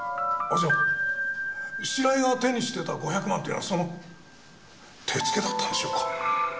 じゃあ白井が手にしてた５００万っていうのはその手付けだったんでしょうか？